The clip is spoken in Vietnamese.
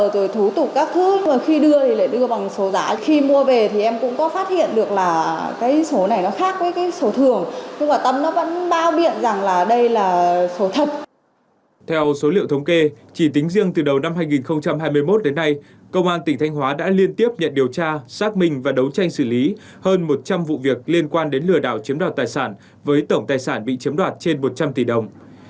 theo số liệu thống kê chỉ tính riêng từ đầu năm hai nghìn hai mươi một đến nay công an tỉnh thanh hóa đã liên tiếp nhận điều tra xác minh và đấu tranh xử lý hơn một trăm linh vụ việc liên quan đến lừa đảo chiếm đoạt tài sản với tổng tài sản bị chiếm đoạt trên một trăm linh tỷ đồng